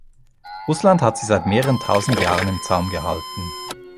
Russland hat sie seit mehreren tausend Jahren im Zaum gehalten.